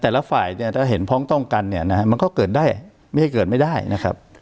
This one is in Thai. แต่ละฝ่ายเนี่ยถ้าเห็นพ้องต้องกันเนี่ยนะฮะมันก็เกิดได้ไม่ให้เกิดไม่ได้นะครับ